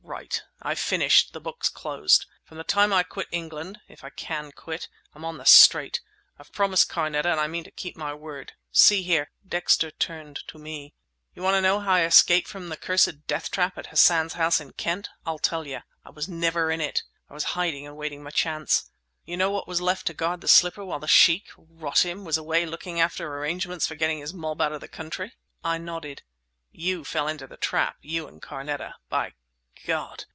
Right! I've finished; the book's closed. From the time I quit England—if I can quit—I'm on the straight! I've promised Carneta, and I mean to keep my word. See here—" Dexter turned to me. "You'll want to know how I escaped from the cursed death trap at Hassan's house in Kent? I'll tell you. I was never in it! I was hiding and waiting my chance. You know what was left to guard the slipper while the Sheikh—rot him—was away looking after arrangements for getting his mob out of the country?" I nodded. "You fell into the trap—you and Carneta. By God!